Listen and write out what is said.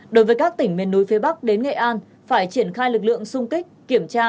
đối với các tỉnh miền núi phía bắc đến nghệ an phải triển khai lực lượng sung kích kiểm tra